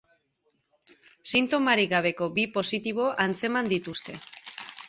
Sintomarik gabeko bi positibo atzeman dituzte.